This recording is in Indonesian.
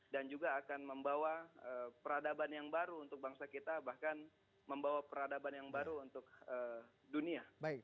dan juga akan membawa peradaban yang baru untuk bangsa kita bahkan membawa peradaban yang baru untuk dunia